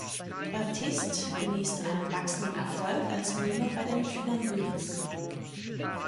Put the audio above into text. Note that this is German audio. Baptiste genießt einen wachsenden Erfolg als Mime bei den Funambules.